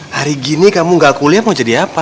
hari gini kamu gak kuliah mau jadi apa